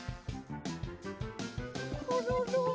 コロロ。